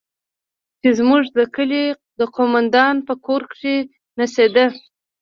چې زموږ د کلي د قومندان په کور کښې نڅېده.